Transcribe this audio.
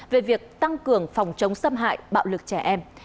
về việc tăng cường phòng chống xâm hại bạo lực trẻ em